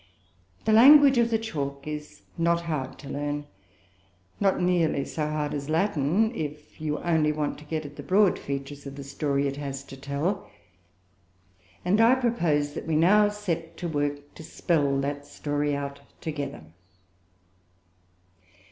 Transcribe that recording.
The language of the chalk is not hard to learn, not nearly so hard as Latin, if you only want to get at the broad features of the story it has to tell; and I propose that we now set to work to spell that story out together.